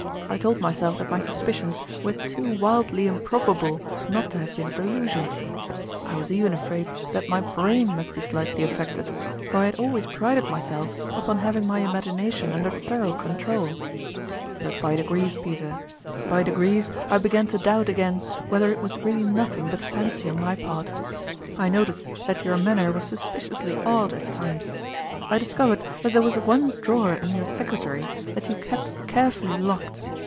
I told myself that my suspicions were too wildly improbable not to have been a delusion. Cttlminating (Efyerjtttf. 133 I was even afraid that my brain must be slightly affected, for I had always prided my self upon having my imagination under thor ough control. But by degrees. Peter by de grees I began to doubt again whether it was really nothing but fancy on my part. I noticed that your manner was suspiciously odd at times. I discovered that there was one draw er in your secretary that you kept carefully locked.